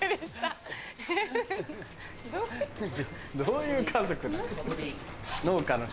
どういう家族なの？